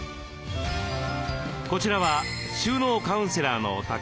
こちらは収納カウンセラーのお宅。